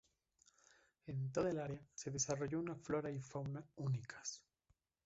En toda el área se desarrolló una flora y fauna únicas.